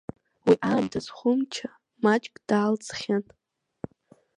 Уи аамҭаз Хәымҷа маҷк даалҵхьан.